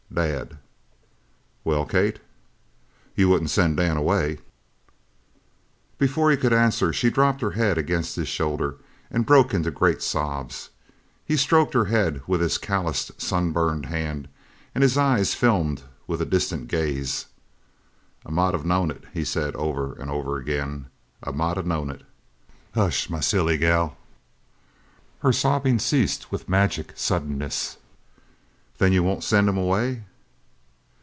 "Dad!" "Well, Kate?" "You wouldn't send Dan away!" Before he could answer she dropped her head against his shoulder and broke into great sobs. He stroked her head with his calloused, sunburned hand and his eyes filmed with a distant gaze. "I might have knowed it!" he said over and over again; "I might have knowed it! Hush, my silly gal." Her sobbing ceased with magic suddenness. "Then you won't send him away?"